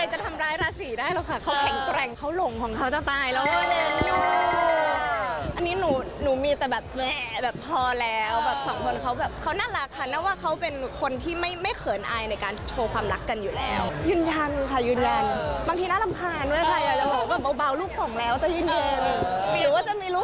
หรือว่าจะมีรุ่นคนนี้สามไม่รู้